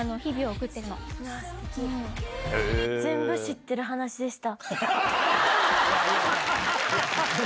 全部知ってる話でした。